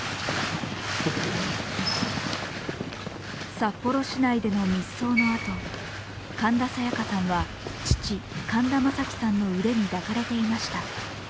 札幌市内での密葬のあと、神田沙也加さんは父・神田正輝さんの腕に抱かれていました。